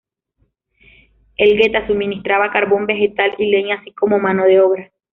Elgueta suministraba carbón vegetal y leña, así como mano de obra.